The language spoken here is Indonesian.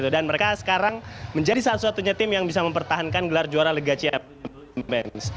dan mereka sekarang menjadi satu satunya tim yang bisa mempertahankan gelar juara liga champions